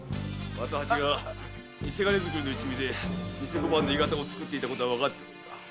又八が偽金作りの一味で偽小判の鋳型を作っていたのはわかっているんだ。